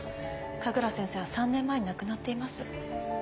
神楽先生は３年前に亡くなっています。